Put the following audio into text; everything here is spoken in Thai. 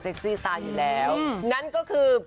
ซี่สไตล์อยู่แล้วนั่นก็คือ